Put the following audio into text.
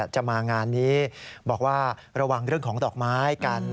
จะมางานนี้บอกว่าระวังเรื่องของดอกไม้กัน